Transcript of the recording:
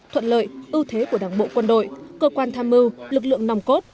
thuận lợi ưu thế của đảng bộ quân đội cơ quan tham mưu lực lượng nòng cốt